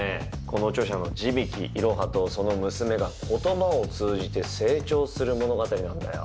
この著者の字引いろはとその娘が言葉を通じて成長する物語なんだよ。